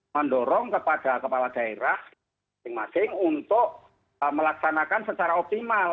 mendorong kepada kepala daerah masing masing untuk melaksanakan secara optimal